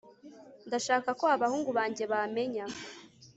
ndashaka ko abahungu banjye bamenya